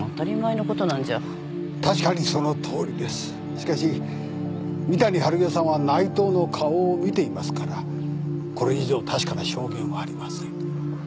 しかし三谷治代さんは内藤の顔を見ていますからこれ以上確かな証言はありません。